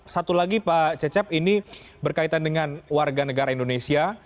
satu lagi pak cecep ini berkaitan dengan warga negara indonesia